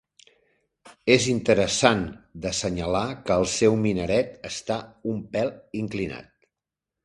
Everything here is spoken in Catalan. És interessant d'assenyalar que el seu minaret està un pèl inclinat.